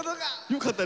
よかった！